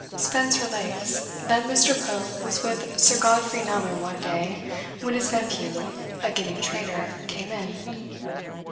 Spence relates, that Mr. Pope was with Sir Godfrey Kneller one day, when his nephew, a Guinea trader, came in.